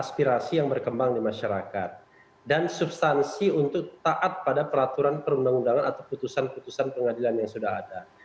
aspirasi yang berkembang di masyarakat dan substansi untuk taat pada peraturan perundang undangan atau putusan putusan pengadilan yang sudah ada